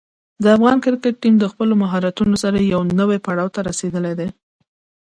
د افغان کرکټ ټیم د خپلو مهارتونو سره یوه نوې پړاو ته رسېدلی دی.